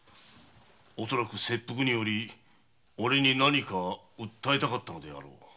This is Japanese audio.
恐らく切腹によりおれに何か訴えたかったのであろう。